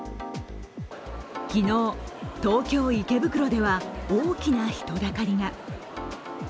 昨日、東京・池袋では大きな人だかりが。